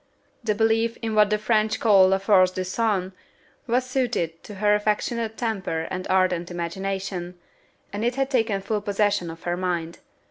The belief in what the French call la force du sang was suited to her affectionate temper and ardent imagination, and it had taken full possession of her mind.